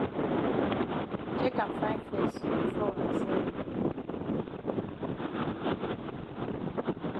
Chek am fine fes before wuna send yi.